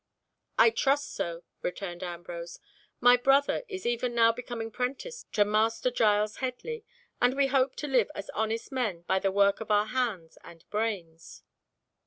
"I trust so," returned Ambrose; "my brother is even now becoming prentice to Master Giles Headley, and we hope to live as honest men by the work of our hands and brains."